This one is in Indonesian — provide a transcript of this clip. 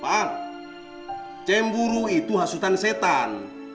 pak cemburu itu hasutan setan